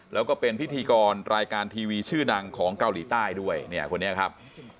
แล้วก็เป็นพิธีกรรายการทีวีชื่อดังของเกาหลีใต้ด้วยเนี่ยคนนี้ครับ